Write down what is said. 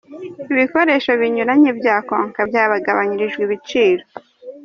Ibikoresho binyuranye bya Konka byagabanyirijwe ibiciro.